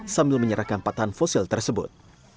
sambil menyerahkan patahan fosil tersebut